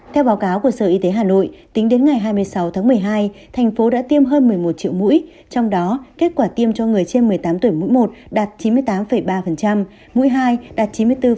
theo báo cáo của sở y tế hà nội tính đến ngày hai mươi sáu tháng một mươi hai thành phố đã tiêm hơn một mươi một triệu mũi trong đó kết quả tiêm cho người trên một mươi tám tuổi mũi một đạt chín mươi tám ba mũi hai đạt chín mươi bốn